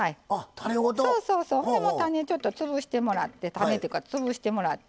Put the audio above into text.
そうそうそう種ちょっと潰してもらって種っていうか潰してもらって。